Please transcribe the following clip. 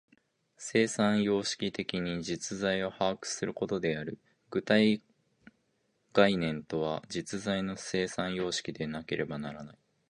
生産様式的に実在を把握することである。具体概念とは、実在の生産様式でなければならない。